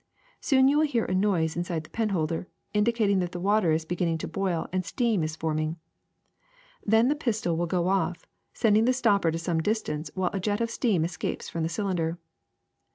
Soon you will hear a noise inside the penholder, indicating that the water is beginning to boil and steam is forming. Then the pistol will go off, sending the stopper to some distance, while a jet of steam escapes from the cylinder.